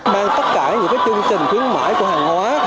mang tất cả những chương trình khuyến mãi của hàng hóa